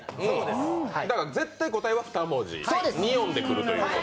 絶対答えは２文字、２音でくるという。